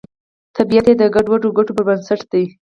طبیعت یې د ګډو ګټو پر بنسټ دی